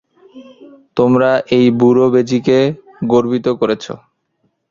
তোমরা এই বুড়ো বেজীকে গর্বিত করেছ।